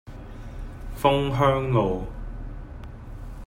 楓香路